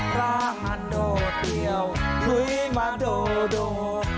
พระหันโดดเดียวคุยมาโดดโดด